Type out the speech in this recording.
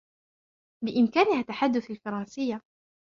بإمكانها تحدث الفرنسية.